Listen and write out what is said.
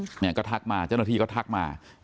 เนี่ยก็ทักมาเจ้าหน้าที่ก็ทักมา